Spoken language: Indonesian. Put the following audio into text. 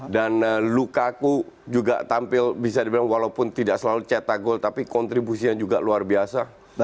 dan lukaku juga tampil bisa dibilang walaupun tidak selalu cetak gol tapi kontribusinya juga luar biasa